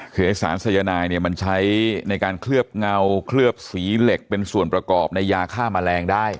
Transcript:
คือไอ้สารสายนายเนี่ยมันใช้ในการเคลือบเงาเคลือบสีเหล็กเป็นส่วนประกอบในยาฆ่าแมลงได้